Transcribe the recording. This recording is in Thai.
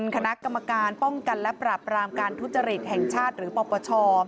คณะกรรมการป้องกันและปรับรามการทุจริตแห่งชาติหรือปปช